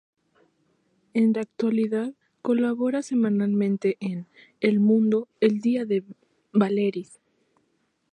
En la actualidad colabora semanalmente en "El Mundo-El Día de Baleares".